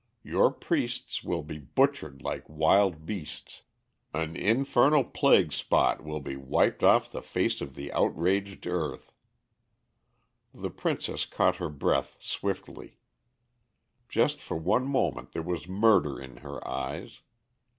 Your priests will be butchered like wild beasts; an infernal plague spot will be wiped off the face of the outraged earth!" The Princess caught her breath swiftly. Just for one moment there was murder in her eyes.